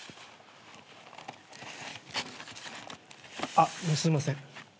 あっすいません。